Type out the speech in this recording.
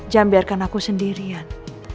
jangan biarkan aku sendirian